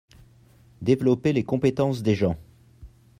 Développer les compétences des gens.